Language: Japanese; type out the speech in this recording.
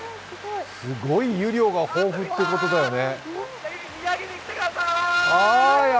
すごい湯量が豊富ってことだよね。